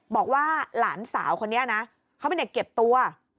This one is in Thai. บอกว่าหลานสาวคนนี้นะเขาเป็นเด็กเก็บตัว